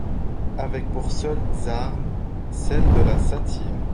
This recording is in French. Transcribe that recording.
Avec pour seules armes, celles de la satire.